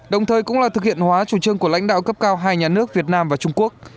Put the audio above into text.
đồng thời cũng là thực hiện hóa chủ trương của lãnh đạo cấp cao hai nhà nước việt nam và trung quốc